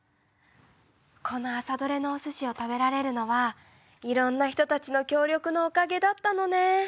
この朝どれのおすしを食べられるのはいろんな人たちの協力のおかげだったのね。